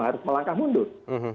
harus melangkah mundur